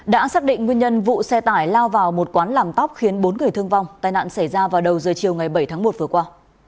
đã xác định nguyên nhân vụ xe tải lao vào một quán làm tóc khiến bốn người thương vong tai nạn xảy ra vào đầu giờ chiều ngày bảy tháng một vừa qua